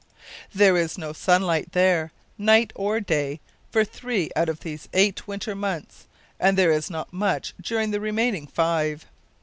There is no sunlight there, night or day, for three out of these eight winter months, and there is not much during the remaining five.